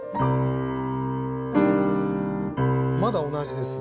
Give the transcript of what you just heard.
まだ同じです。